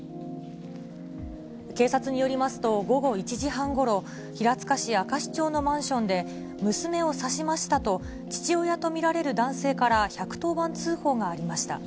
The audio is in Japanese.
警察によりますと、午後１時半ごろ、平塚市明石町のマンションで、娘を刺しましたと、父親と見られる男性から１１０番通報がありました。